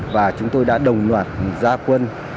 và chúng tôi đã đồng loạt gia quân